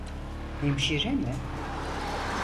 Hemşire mi?